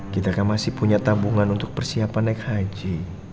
kita kan masih punya tabungan untuk persiapan naik haji